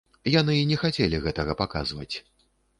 Яны не хацелі гэтага паказваць.